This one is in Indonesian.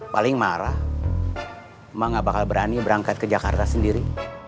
paling marah mah gak bakal berani berangkat ke jakarta sendiri